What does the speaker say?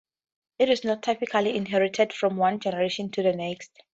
It is not typically inherited from one generation to the next.